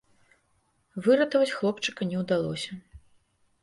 Выратаваць хлопчыка не ўдалося.